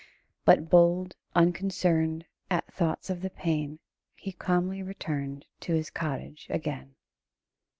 But bold, unconcern'd At thoughts of the pain, He calmly return'd To his cottage again.